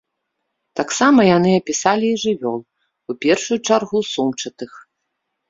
Таксама яны апісалі і жывёл, у першую чаргу сумчатых.